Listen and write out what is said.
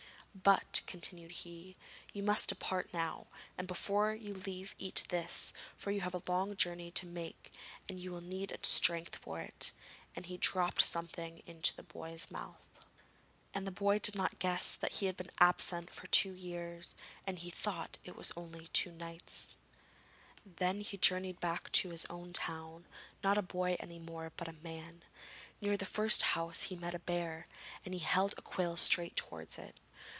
'But,' continued he, 'you must depart now, and, before you leave eat this, for you have a long journey to make and you will need strength for it;' and he dropped something into the boy's mouth. And the boy did not guess that he had been absent for two years, and thought it was only two nights. Then he journeyed back to his own town, not a boy any more, but a man. Near the first house he met a bear and he held the quill straight towards it.